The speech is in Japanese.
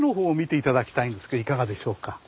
いかがでしょうか？